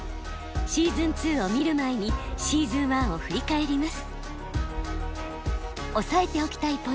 シーズン２を見る前にシーズン１を振り返ります。